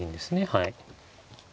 はい。